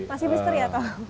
masih misteri atau